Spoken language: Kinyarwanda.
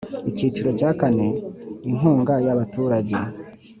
Icyiciro cya kane Inkunga y abaturage